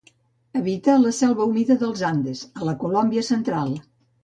Habita la selva humida dels Andes, a Colòmbia central.